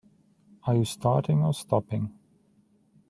Are you starting or stopping?